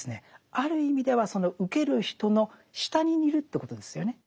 ある意味ではその受ける人の下にいるということですよね。